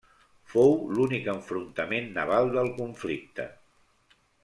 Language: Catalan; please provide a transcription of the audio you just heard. Fou l'únic enfrontament naval del conflicte.